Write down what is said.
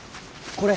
これ。